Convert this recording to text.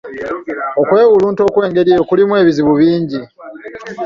Okwewulunta okwengeri eyo kulimu ebizibu bingi.